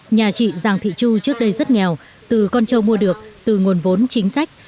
nhà chị giàng thị chu trước đây rất nghèo từ con trâu mua được từ nguồn vốn chính sách